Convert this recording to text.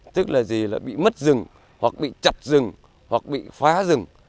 tức là bị mất rừng hoặc bị chặt rừng hoặc bị phá rừng